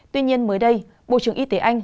tuy nhiên mới đây bộ trưởng y tế anh